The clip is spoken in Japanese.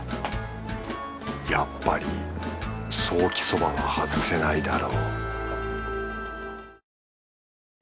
やっぱりソーキそばは外せないだろ